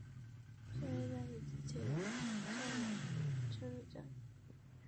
胜瑞站的铁路车站。